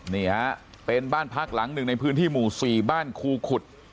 นี่ฮะเป็นบ้านพักหลังหนึ่งในพื้นที่หมู่๔บ้านครูขุด